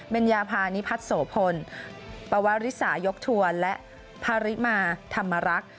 เป็นยาพานิพัฒน์โสพลปวริสายกทัวร์และพาริมาธรรมรักษ์